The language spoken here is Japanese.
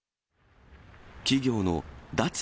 企業の脱